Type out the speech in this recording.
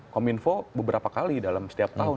kominfo beberapa kali dalam setiap tahun